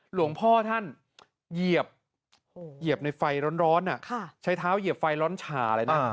หลวงพ่อท่านเหยียบในไฟร้อนใช้เท้าเหยียบไฟร้อนฉ่าเลยนะ